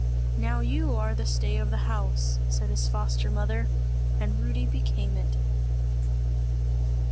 "Now you are the stay of the house!" said his foster mother, and Rudy became it.